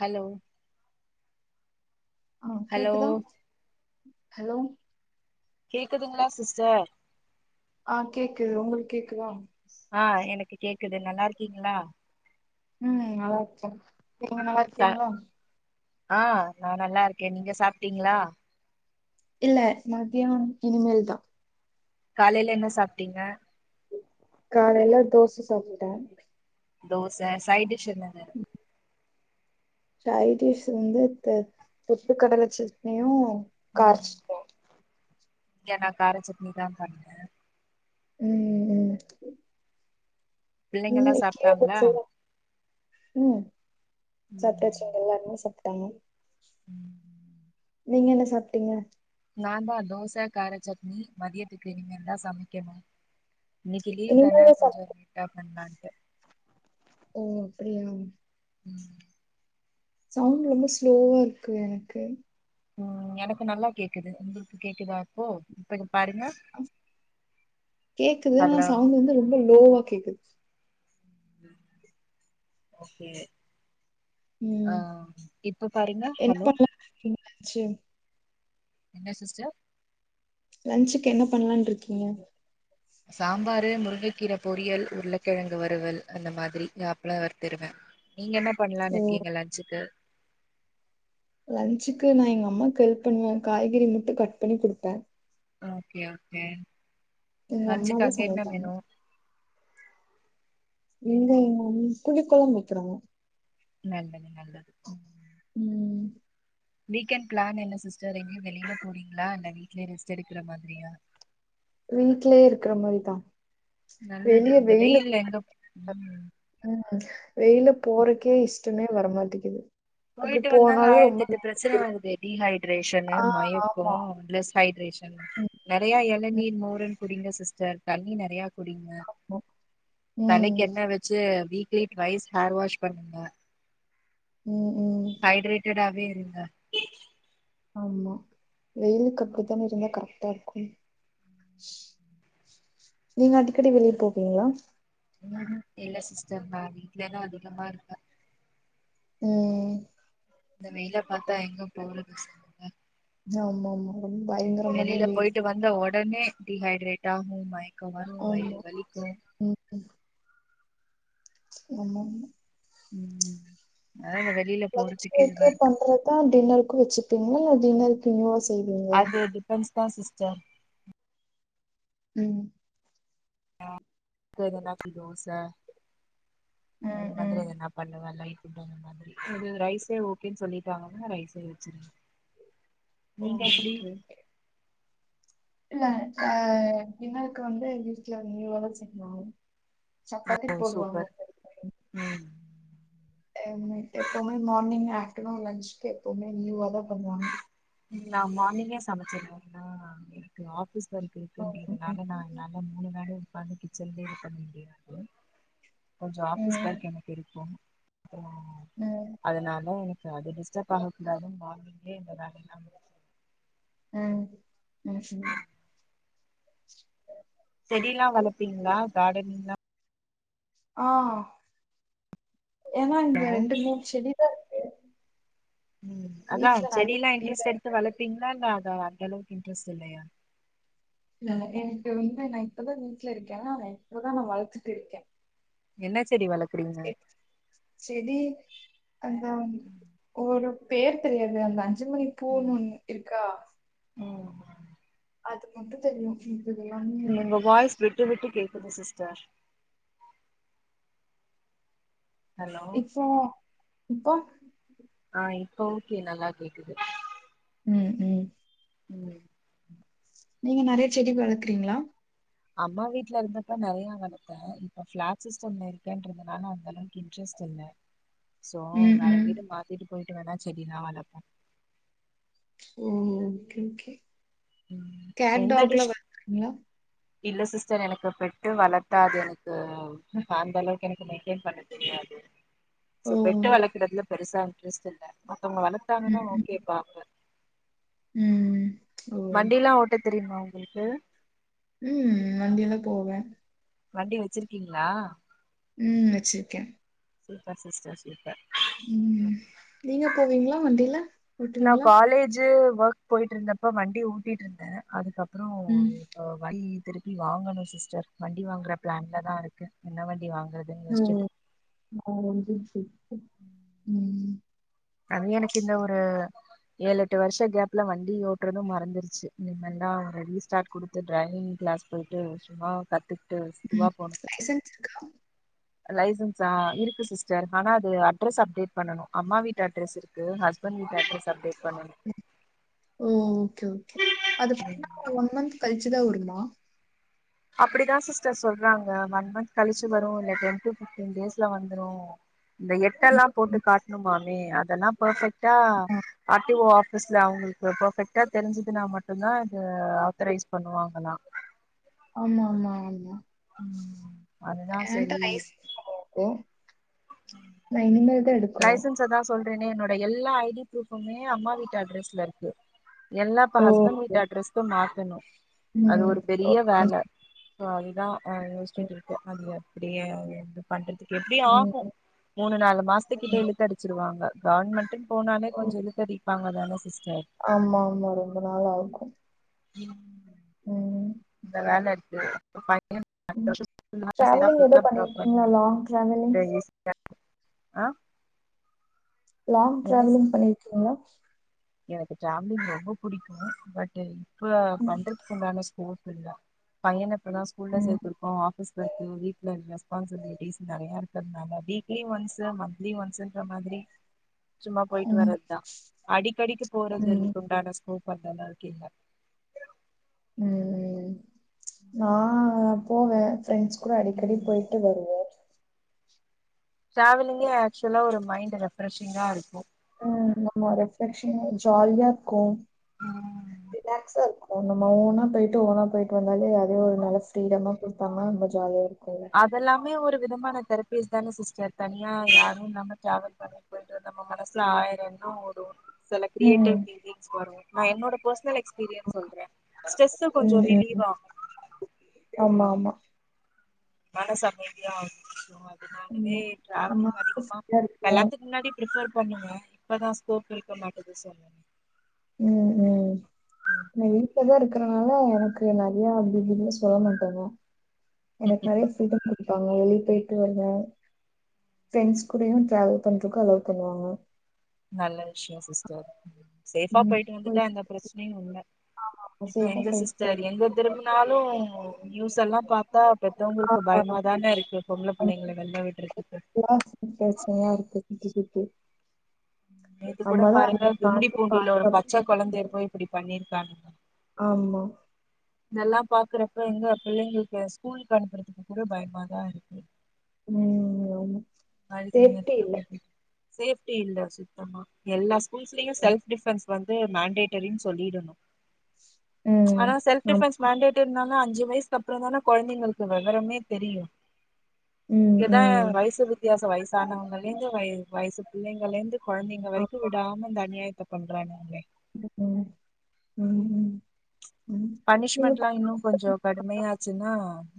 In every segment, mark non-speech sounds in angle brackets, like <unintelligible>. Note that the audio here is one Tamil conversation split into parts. ஹலோ ஆ ஹலோ கேக்குதா ஹலோ கேக்குதுங்களா சிஸ்டர் ஆ கேக்குது உங்களுக்கு கேக்குதா ஆ எனக்கு கேக்குது நல்லாருக்கீங்ளா உம் நல்லார்க்கேன் நீங்க ச நல்லார்கீங்ளா ஆ நா நல்லா இருக்கே நீங்க சாப்ட்டீங்களா இல்ல மதியோ இனிமேல்தா காலைல என்ன சாப்ட்டீங்க? காலைல தோச சாப்ட்ட தோச சைட் டிஷ் என்னது? சைடிஷ் வந்து த பொட்டு கடல சட்னியு, கார சட்னியு யநா கார சட்னிதா பண்ணே உம் உம் பிள்ளைங்கல்லா சாப்ட்டாங்ளா தோசையா? ம் சாப்ட்டாச்சு இங்க எல்லாருமே சாப் தனு நீங்க என்ன சாப்ட்டீங்க? நாந்தா தோச கார சட்னி மதியத்துக்கு இனிமேல்தா சமைக்கணு இன்னிக்கி லீவ் தான இனிமேல்தா சாப் கொஞ்சோ லேட்டா பண்ணலான்ட்டு ஓ அப்டியா ம் சவுண்ட் ரொம்ப ஸ்லோவா இருக்கு எனக்கு ம் எனக்கு நல்லா கேக்குது, உங்களுக்கு கேக்குதா இப்போ இப்ப பாருங்க அ கேக்குது ஆனா ஹலோ சவுண்ட் வந்து ரொம்ப லோவா கேக்குது ஓகே ஆ ம் இப்ப பாருங்க என்ன ஹலோ பண்லான்னு இருக்கீங்க லன்ச் என்ன சிஸ்டர்? லன்ச்சுக்கு என்ன பண்லான்ருக்கீங்க சாம்பாரு முருங்கைக்கீர பொரியல் உருளக்கிழங்கு வறுவல் அந்த மாதிரி அப்லொ வர்த்திருவே நீங்க என்ன பண்ணலானு ஓ! இருக்கிங்க லஞ்சுக்கு லன்ச்சுக்கு நா எங்க அம்மாக்கு ஹெல்ப் பண்ணுவ காய்கறி மட்டு கட் பண்ணி குடுப்ப ஓகே ஓகே எங்க லன்ச்சுக்கு அம்மாதா அங்க என்ன சமைப்பாங்க மெனு இங்க எங் மம்மி புளிக்கொழம்பு வெக்கிறாங்க நல்லது நல்லது ம் ம் வீக்கெண்ட் பிளான் என்ன சிஸ்டர் எங்கியு வெளில போறிங்ளா இல்ல வீட்லயே ரெஸ்ட் எடுக்கிற மாதிரியா வீட்லயே இருக்கிற மாரிதா நல்லது வெளிய இந்த வெயிலு வெயில்ல எங்க ம் <inaudible> ம் வெளில போறக்கே இஷ் இடமே வர மாட்டேங்கிது போயிட்டு வந்தாலு ஆயிரத்தெட்டு பிரச்சன இருக்கு. வருது டீஹைட் ரேஷனு ஆ மயக்கோ ஆமா. லெஸ் ஹைட்ரேஷன் ம். நெறையா ம். எளநீர் மோருனு குடிங்க சிஸ்டர் தண்ணி நெறையா குடிங்க ஆமா. ம். தலைக்கு எண்ணெ வெச்சு வீக்லி ட்வைஸ் ஹேர் வாஷ் பண்ணுங்க ம் ம். ஹைட்ரேட்டடா வே இருங்க ஆமா வெயிலுக்கு அப்டித்தானே இருந்தா கரெக்டா இருக்கூ நீங்க அடிக்கடி வெளிய போவீங்ளா ம்ஹும் இல்ல சிஸ்டர் நா வீட்லதா அதிகமா இருப்பே ம் இந்த வெயில பாத்தா எங்க போறது சொல்லுங்க ஆமாமா வெளியில போயிட்டு வந்த ஒட் டனே டிஹைட்ரெட்டாகூ மை ஒரு மாரி வயிறு ஆமா வலிக்கூ லெமன் ம் அதா இந்த வெளியில லஞ்ச்க்கு போறதுக்கே இதுவா வரைக்கூ இருக்கு பண்றதா டின்னர் வச்சிப்பீங்களா ஆ டின்னர்ருக்கு வேற <unintelligible> அது டிபென்ஸ் தா சிஸ்டர் ம் கதுனாபி தோச அந்த ம் ம் மாத்ரி எதுனா பண்ணுவே லை ஃபுட் அந்த மாத்ரி அது ரைஸே ஓகேன்னு சொல்லிட்டாங்கன்னா ரைஸே வச்சிருவே ஓ நீங்க எப்டி ஓகே ஓகே. இல்ல ஆ டின்னருக்கு வந்து வீட்ல நியூவாதா செய்வாங்க சப்பாத்தி ஓ போடுவாங்க சூப்பர் ஒரு ஒரு டைம். ம் ஆ மிட் எப்பவ்மே மார்னிங் ஆப்டர்நூன் லன்ச்சுகு எப்பவ்மே நியூவா தா பண்ணுவாங்க. நா மார்னிங்கே சமச்சுருவேன்னா எனக்கு ஆஃபீஸ் வர்க் ஓகே. இருக்குன்றதுனால நா என்னால மூணு வேளையு உக்காந்து கி செஞ்சு இது பண்ண முடியாது. கொஞ்சோ ம் ஆஃபீஸ் வர்க் எனக்கு இருக்கூ ம் ம் அதுனால அது டிஸ்டப்பாக கூடாதுன்னு மார்னிங்கே எல்லா வேலையூ ஆ. ம் ம்ஹும். செடியெல்லா வளப்பீங்ளா காடனிங்லா ஆ ஏனா இந்த ரெண்டு மூணு செடிதா இருக் ம் அதா வீட்ல நெறைய செடிலா தெரியல இன்ட்ரெஸ்ட் எடுத்து வளப்பீங்களா இல்ல அதா அந்த அளவுக்கு இன்ட்ரெஸ்ட் இல்லையா எனக்கு வந்து நா இப்பதா வீட்டுல இருக்கே நா இப்பதா நா வளர்த்துட்டு இருக்கே என்ன செடி வளக்குறீங்க செடி அந்த ஒரு பேர் தெரியாது அந்த அஞ்சு மணி ம் பூண்ணு ஒன்னு இருக்கா ம் அது மட்டு தெரியு எல்லாமே உங்க வாய்ஸ் விட்டு விட்டு கேக் குது சிஸ்டர் ஹலோ இப்போ இப்போ இப்போ ஓகே நல்லா கேக்குது உம் உம் உம் நீங்க நெறையா செடி வளக்குறீங்களா அம்மா வீட்டுல இருந்தப்ப நெறைய வளத்தே இப்ப. பிளாட் சிஸ்டம் இருக்கன்றதுனால அந்த அளவுக்கு இன்ட்ரெஸ்ட் இல்ல சோ ம் வேற ம் வீடு மாத்திட்டு போயி ட்டுவேனா செடி எல்லா வளர்ப்பே ஓ ஓகே ஓகே. ம் கேட் எந்த டாக் லா டிஷ் வளக்குறீங்களா இல்ல சிஸ்டர் எனக்கு பெட்டு வளத்தா அது எனக்கு அந்த அளவுக்கு எனக்கு மெயின்டென் பண்ண தெரியாது. சோ ஓ பெட்டு வளக்குறதுல பெருசா இன்ட்ரஸ்ட் இல்ல அவங்க வளத்தாங்கன்னா ஓகே பாப்ப உம் வண்டி எல்லா ஓட்ட தெரியுமா உங் குளுக்கு உம் வண்டியல்லா போவே வண்டி வச்சிருக்கீங்களா உம் வச்சிருக்கே சீப்பர் சிஸ்டர் சூப்பர் உம் நீங்க போவீங்களா வண்டியில நா காலேஜு ஒர்க் போயிட்டு இருந்தப்ப வண்டி ஓட்டிட்டு இருந்தே அதுக்கப் புறம் ம் இப்ப வ ண்டி திருப்பி வாங்கணு சிஸ்டர் வண்டி வாங்குற பிளான்ல தா இருக்க என்ன வண்டி வாங்க ஓ <unintelligible> உம் அதுவு எனக் இந்த ஒரு ஏழெட்டு வருஷ கேப்ல வண்டி ஓட்றது மறந்துருச்சு இனிமேல் தா ரீஸ்டார்ட் குடுத்து ட்ரைவிங் கிளாஸ் போயிட்டு சும்மா கத்து உம் லைசன்ஸ் இருக்கா லைசன்ஸா இருக்கு சிஸ்டர் ஆனா அது அட்ரஸ் அப்டேட் பண்ணனு அம்மா வீட் டு அட்ரஸ் இருக்கு ஹஸ்பண் வீட்டு அட்ரஸ் அப்டேட் பண்ணனு ஓ ஓகே ஓகே அது பன்னா ஒன் மந்த் கழிச்சுதா வருமா அப்படிதா சிஸ்டர் சொல்றாங்க ஒன் மந்த் கழிச்சு வரு இல்ல டென் டு ஃபிப்டீன் டேஸ்ல வந்துரு இந்த எட்டல்லா ம். போட்டு ம். காட்ணுமா <unintelligible> அதெல்லா பஃபெக்ட் டா ஆ ஆர் டி ஓ ஆஃபீ ஸ்ல அவுங்குளுக்கு பெஃபெக்டா தெரிஞ்சுதுனா மட்டுந்தா அது ஆத்தரைஸ் பண்ணுவாங்கல்லா ஆமா ஆமா ஆமா ம் அதுதா என்கிட்ட செரி லைசன்ஸ் கெடயாது நா இனிமேல் தா எடுக்கணு ஏன்னா என்னோட எல்லா ஐடி ப்ரூஃபுமே அம்மா வீட்டு அட்ரஸ்ல ருக்கு எல்லா இப்ப ஓ ஹஸ்பண் வீட்டு அட்ரெஸ்கு மாத்தணு அது ம் ஒரு பெரிய ஓகே வேல சோ அதுதா அ யோஸ்ச்ட்டுருக்கே அது அப்டியே <unintelligible> இது பண்றதுக்கு எப்டி ஆஃபர் ம் மூணு நாலு மாசத்துகிட்ட ம் இழுத்து அடிச்சிரு வாங்க கவர்ன்மெண்ட்டுன் போனாலே ஓ. கொஞ்சோ இலுத்தடி ப்பங்க தானே சிஸ் ஆமா ஆமா ரொம்ப நாள் ஆகு ம் ம் இந்த வேல இருக்கு ஒரு ஃபை ம் டிராவலிங் எதோ பண்ணிருக்கீங்களா லாங் டிராவலிங் அ லாங் டிராவலிங் பண்ணியிருக்கீங்களா எனக்கு டிராவலிங் ரொம்ப புடிக்கு பட்டு இப்ப ம் பண்றதுக் உண்டான சூழ் இல்ல பையன இப்பதா ஸ்கூல்ல ம். சேத்தருக்கோ ஆபீஸ் ஒர்க் வீட்ல ரெஸ்பான்சிபிலிட்டிஸ் நெறையா இருக் இருக்கனால வீக்லி ஒன்ஸ்சு மந்திலி ஒன்ஸ்சு இந்த மாதிரி சும்மா போயிட்டு ம் வரது தா அடிக் ம் போறதுக்கு உண்டான கோவப்பட்டல்லா இருக்கீங்க ம் நா ஆ போவே ஃப்ரெண்ட்ஸ் கூட அடிக்கடி ம் போயிட்டு வருவே டிராவலிங்கே ஆக்சுவலா ஒரு மைண்ட் ரெஃப்ரெஷிங்கா இருக்கு ம்ஹ் ஆமா ரேஃப்ரஷிங்கா ஜாலியா இருக்கு ரிலாக்ஸா இருக்கு நம்ம ஓனா போயிட்டு ஓனா போயிட்டு வந்தாலே அதே ஒரு நல்ல ஃப்ரீடமா கொடுத்தாங்கனா ரொம்ப ஜாலியா இருக்கு அதெல்லாமே ஒரு விதமான தெரப்பிஸ் தானே சிஸ்டர் தனியா யாரு இல்லாமா டிராவல் பண்ணி போய்ட்டு நம்ம மனசுல ஆயிர இது ஓடு சில ம் கிரியேட்டிவிட்டி திங்கிங்ஸ் வரு ஆ என்னோட பெர்சனல் எக்ஸ் பிரியன்ஸ் சொல்றே ஸ்ட்ரெஸ் கொஞ்ச ம் ரிலீவ் ம் ஆகு ஆமா ஆமா மனசு அமைதியா ஆகு இந்த மாதி இந்த ஆமா மாதிரி ட்ராவெல்லிங் நம்மளுக்கு அதிகமா ஃப்ரீயா இருக்கு கல்யாணத்துக்கு முன்னாடி ப்ரிஃபெர் பண்ணுங்க இப்பதா ஸ்கோப் இருக்க மாட்டுது சொல்லுங்க உம் உம் வீட்லதா இருக்கறனால எனக்கு நெறைய அப்டி இப்டின்னுலா சொல்ல மாட்டாங்க எனக்கு நெறைய ஃபீரிடம் குடுப்பாங்க வெளியே போயிட்டு வந்தா ஃப்ரெண்ட்ஸ் கூடயு டிராவல் பண்றதுக்கு அலோ பண்ணுவாங்க நல்ல விஷய சிஸ்டர் சேஃபா போயிட்டு வந்துட்டா எந்த ப்ரச்சனையு இல்ல இப்ப அதேதான் எங்க சொல்லிட்டு சிஸ்டர் எங்க திரும்புனாலு நியூஸ் எல்லா பாத்தா பெத்தவங்களுக்கு பயமாதான இருக்கு பொம்பள புள்ளைங்கள வெள்ள விடுறதுக்கு பிரச்சனையா இருக்கு சுத்தி சுத்தி நேத்து கூட நம்மதான் பாருங்க அதை கும்மிடி தாண்டி பூண்டில ஒரு பச்ச பாதுகாப்பு கொழந்தைய போய் இப்டி பண்ணிருக்கானுங்க ஆமா இதெல்லா பாக்குறப்ப எங்க பிள்ளைங்களுக்கு ஸ்கூலாக்கு அனுப்புறதுக்கு கூட பயமாதா இருக்கு உம் ஆமா சேஃப்டி இல்ல <unintelligible> சேஃப்டி இல்ல சுத்தமா எல்லா ஸ்கூல்ஸ்லையு ம் செல்ஃப் டிஃபன்ஸ் வந்து மேண்டேட்டரினு சொல்லிடணு ம். ஆனா செல்ஃப் ஆமா டிஃபன்ஸ் மேண்டேட்டரினாலு அஞ்சு வயசு அப்புறோ தானா கொழந்தைங்களுக்கு வெவரமே தெரியு ம் இங்கதா ம் வயசு பத்தி சு வயசானவங்கலே இருந்து வய வயசு புள்ளைங்களேருந்து கொழந்தைங்க வரைக்கு விடாம இந்த அநியாயத் த பண்றாங்க அவெங்க <inaudible> உம் பனிஷ்மெண்ட்ல்லா இன்னு கொஞ்சோ கடுமையாச்சுன்னா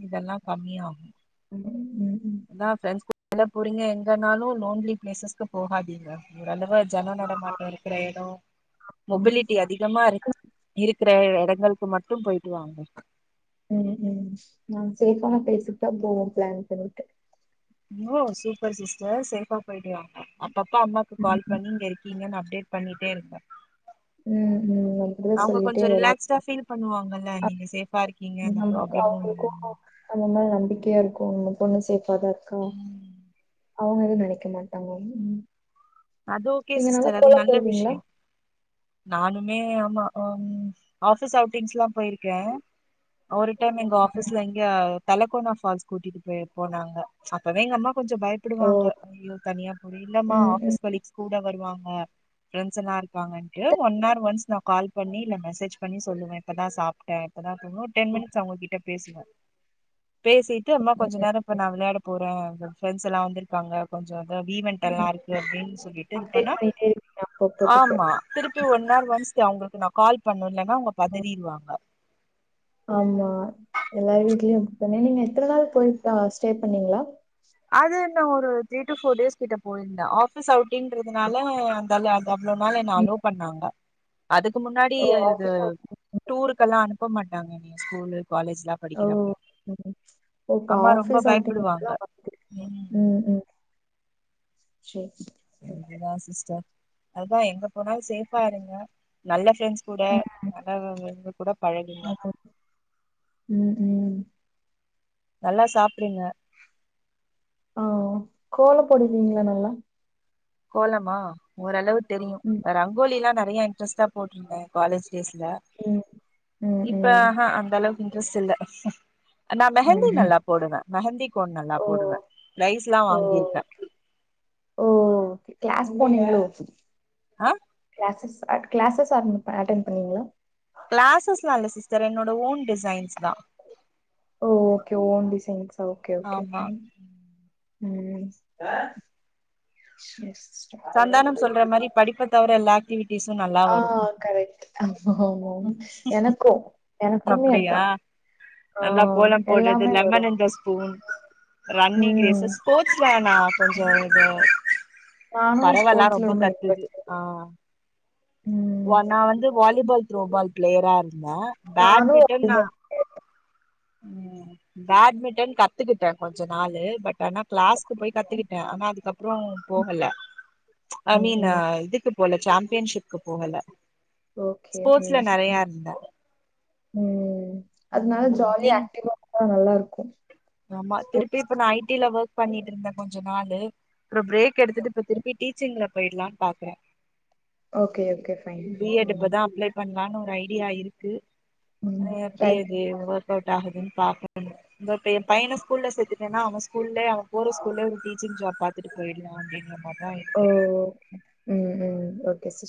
இதெல்லா கம்மியாகு <inaudible> ம் ம். என்னா ப்ரெண்ஸ் ல்ல போறீங்க எங்கனாலு லோன்லி பிளேசஸ்க்கு போகாதீங்க ஒரு அளவா ஜன நடமாட்டொ இருக்குற எடோ ஆமா. மொபிலிட்டி அதிகமா இருக் இருக்கு இந்த எடங்களுக்கு மட்டு போயிட்டு வாங்க உம் உம் நாங்க சேஃபான ப்லேஸ்க்கு தா போவோ பிளான் பண்ணிட்டு ஓ சூப்பர் சிஸ்டர் சேஃபா போய்க்ளா அப்பப்ப அம்மாவுக்கு கால் ம் பண்ணி இங்க இருக்கீங்கன்னு அப் ப்டேட் பண்ணிட்டே இருங்க ம் ம். அப்படிதான் அவங்க சொல்லிட்டே கொஞ்சோ வருவேன் ரிலாக்ஸ்டா ஃபீல் பண்ணுவாங்கல்ல நீங்க சேஃபா இருக்கீங்க <unintelligible> நமக்கு அப்டினு அவங்களுக்கும் நம்ம மேல நம்பிக்கையா இருக்கூ நம்ம பொண்ணு சேஃப் பாதாருக்க ம். அவங்க எதுவு நெனைக்க மாட்டாங்க ம் உம் அது ஓகே சிஸ்டர் அது நல்ல விஷயொ நானுமே ஆமா அம் ஆஃபீஸ் அவுட்டிங்ஸ்ல்லா போயிருக்க ஒரு டைம் எங்க ஆஃபீஸ்ல இங்க தலகோனா ஃபால்ஸ் கூட்டிட்டு போய் போனாங்க அப்பவே எங்கம்மா கொஞ்சொ ஓ பயப்புடுவாங்க ஐயோ தனியா போறியே இல்லமா ம் ம் ஆஃபீஸ் கூட வருவாங்க ஃப்ரண்ட்ஸல்லா இருப்பாங்கன்ட்டு ஒன் ஹார் ஒன்ஸ் நா கால் பண்ணி இல்ல மெசேஜ் பண்ணி சொல்லுவே இப்பதா சாப்ட்டே இப்பதா தூங் இன்னு டென் மினிட்ஸ் அவங்ககிட்ட பேசுவே பேசிட்டு அம்மா கொஞ்ச நேரொ இப்ப நா விளையாட போறே ஃப்ரண்ட்ஸ்ஸெல்லா வந்திருக்காங்க கொஞ்சொதா வீ வெண்ட் எல்லா இருக்கு அப்படின்னு சொல்லி ட்டுது அப்டேட் பண்ணா பண்ணிட்டே இருக்கீங்க அப்பப்போதுக்கு ஆமா திருப்பி ஒன் ஹார் ஒன்ஸ் அவங்களுக்கு நா கால் பண்ணுவல இல்லனா அவங்க ம். பதறிருவாங்க ஆமா எல்லார் வீட்லயு இப்படி தானே நீங்க எத்தன நாள் போய் தா ஸ்டே பண்ணீங்களா அது என்ன ஒரு த்ரீ டு ஃபோர் டேஸ் கிட்ட போயிருந்த ஆஃபீஸ் அவுட்டிங்ன்றதுனால தால அது அவ்வளோ நாள் என்ன ம். அலோவ் பண்ணாங்க அதுக்கு முன்னாடி ஓ இது ஆஃபீஸ் அவுட்டிங் டூருக்கெல்லா அனு அனுப்ப மாட்டாங்க என்னைய ஸ்கூலு காலேஜ்லா ஓ படிக்கிறப்போ ம். ஓ இப்போ அம்மா ரொம்ப ஆஃபீஸ் பயப்படுவாங்க அவுட்டிங்லாம் வந்துருக்கீங்க ம் ம் செரி ச அதுக்கு தா சிஸ்டர் அதா எங்க போனாலு சேஃபா இருங்க நல்ல ஃப்ரண்ட்ஸ் கூட நல்லவங்கக்கு கூட பழகுங்க ம் ம் ம் நல்லா சாப்பிடுங்க ஆங் கோலப்போடுவீங்களா நல்லா கோலமா ஓரளவு தெரியு ம் ரங்கோலி எல்லா ந றைய இன்ரெஸ்ட்டா போட்டுருந்தே காலேஜ் டேஸ்ட்ல ம் ம் இப்ப ம் ஆஹ அந்த அளவு இன்ரஸ்ட் இல்ல நா மெஹந்தி ம் நல்லா போடுவே மெஹந்தி கோன் நல்லா ஓ போடுவே பிரைஸ்லா வாங்கியிருக்கே ஓகே கிளாஸ் <unintelligible> ஆ கிளாஸஸ் அ கிளாஸஸ் அட்டன் ப அட்டன் பண்ணீங்களா கிளாஸஸ்லா இல்ல சிஸ்டர் என்னோட ஓன் டிசைன்ஸ் தா ஓ okay own designs okay okay ஆமா ம் சேர் ச் சந்தானம் சொல்ற மாரி படிப்ப தவிர எல்லா ஆக்டிவிட்டிஸு நல்லா வரு ஆஹ் கரெக்ட் ஆ ஆமா எனக்கு எனக்குமே அப்டியா அதா ஆ நல்லா கோலம் போடுறது எல்லாமே வரு lemon and the spoon running ம் ரேஸஸ் ஸ்போர்ட்ஸ்ல நா கொஞ்சோ இது <unintelligible> நானு பறவல்லா ஸ்போர்ட்ஸ்ல ரொம்ப கத்துது இன்ட்ரெஸ்ட் ஆஹ் ம் வ நா வந்து வாலிபால் த்ரோ பால் பிளேயரா இரு த நானு பேட்மிட்டன் நா உம் பேட்மிட்டன் கத்துக்கிட்டே கொஞ்சோ நாளு பட் ஆனா கிளாஸ்க்கு போய் கத்துக்கிட்டே. ஆனா அதுக்கப்புறோ போகல அ ம் மீன்னு ம் இதுக்கு போல சாம்பியன்ஷிப்கு போகல ஓகே உம் ஸ்போர்ட்ஸ்ல உம் நெறையா இருந்தே உம் அதனா க ம் ஜாலியா நீங் அக்ட்டிவா போன நல்லா இ ருக்கு ஆமா திருப்பி இப்ப நான் ஐ டி ல ஒர்க் பண்ணிட்டு இருந்தே கொஞ்ச நாலு அப்புற பிரேக் எடுத்துட்டு இப்ப திருப்பி டீச்சிங்ல போயிடலான்னு பாக்குறே ஓகே ஓகே ஃபைன் ணலானு ஒரு ஐடியா இருக்கு ம். எப்படி ட்ரை பண்ணி அது பாருங்க. ஒர்க் அவுட் ஆகுதுன்னு பாக்கனு உம் இப்ப எம் பையன ஸ்கூல்ல சேத்துட்டேன்னா அவன் ஸ்கூல்லே அவ போற ஸ்கூல்லே ஒரு டீச்சிங்ஜாப் பாத்துட்டு போயிடாலா அப்டின்ட்டு ஓகே உம் உம் <unintelligible>